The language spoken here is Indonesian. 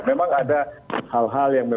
memang ada hal hal yang